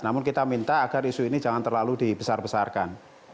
namun kita minta agar isu ini jangan terlalu dibesar besarkan